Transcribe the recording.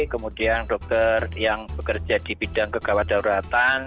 kemudian dokter yang bekerja di bidang kegawat daruratan